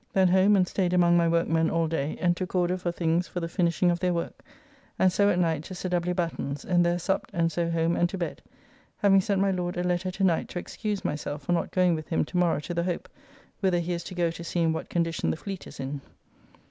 Then home and staid among my workmen all day, and took order for things for the finishing of their work, and so at night to Sir W. Batten's, and there supped and so home and to bed, having sent my Lord a letter to night to excuse myself for not going with him to morrow to the Hope, whither he is to go to see in what condition the fleet is in.